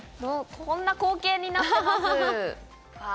こんな光景になってます。